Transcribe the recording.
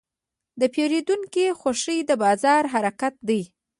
د پیرودونکي خوښي د بازار حرکت دی.